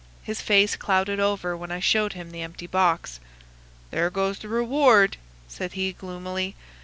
His face clouded over when I showed him the empty box. "There goes the reward!" said he, gloomily.